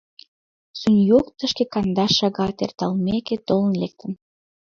Суньог тышке кандаш шагат эрталтымеке толын лектын.